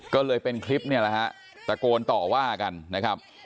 ก็เลยเป็นคลิปเนี่ยแหละฮะตะโกนต่อว่ากันนะครับ